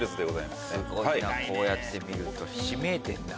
すごいなこうやって見るとひしめいてんな。